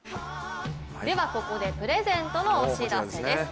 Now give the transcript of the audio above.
ここでプレゼントのお知らせです。